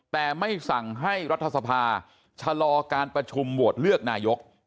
แต่ไม่สั่งให้รัฐสภาชะลอการประชุมโหวตเลือกนายก